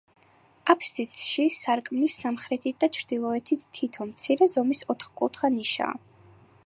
აფსიდში, სარკმლის სამხრეთით და ჩრდილოეთით თითო, მცირე ზომის, ოთკუთხა ნიშაა.